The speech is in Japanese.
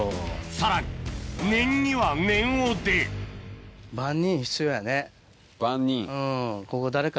さらに念には念をであぁ。